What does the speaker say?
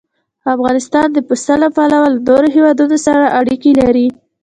افغانستان د پسه له پلوه له نورو هېوادونو سره اړیکې لري.